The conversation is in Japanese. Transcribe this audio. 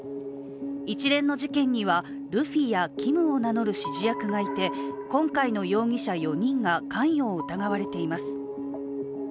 一連の事件にはルフィやキムを名乗る指示役がいて今回の容疑者４人が関与を疑われています。